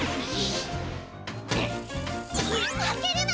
負けるな！